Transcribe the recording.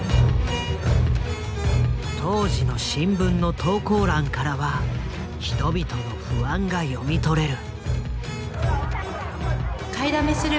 当時の新聞の投稿欄からは人々の不安が読み取れる。